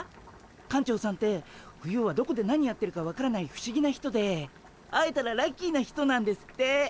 館長さんって冬はどこで何やってるか分からない不思議な人で会えたらラッキーな人なんですって。